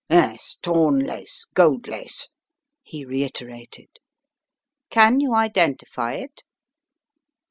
"Yes, torn lace, gold lace," he reiterated. "Can you identify it?"